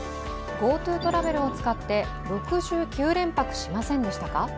ＧｏＴｏトラベルを使って６９連泊しませんでしたか？